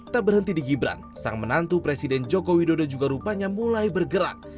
tak berhenti di gibran sang menantu presiden joko widodo juga rupanya mulai bergerak